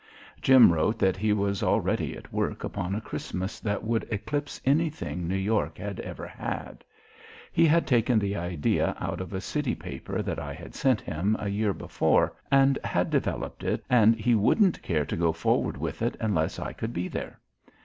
Jim wrote that he was already at work upon a Christmas that would eclipse anything New York had ever had. He had taken the idea out of a city paper that I had sent him a year before and had developed it and he wouldn't care to go forward with it, unless I could be there.